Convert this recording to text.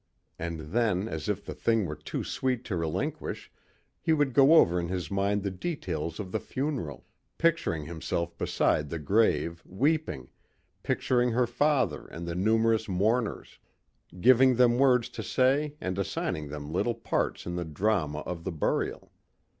And then as if the thing were too sweet to relinquish, he would go over in his mind the details of the funeral, picturing himself beside the grave weeping, picturing her father and the numerous mourners; giving them words to say and assigning them little parts in the drama of the burial.